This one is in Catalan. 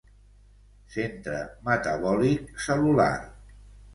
Centre metabòlic cel·lular.